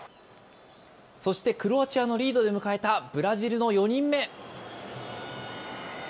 そしてクロアチアのリードで迎えたブラジルの４人目。